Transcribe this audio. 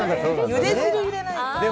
ゆで汁、入れないと。